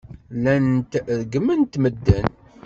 Llant reggment medden.